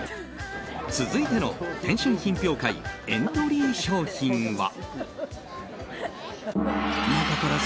続いての点心品評会エントリー商品は。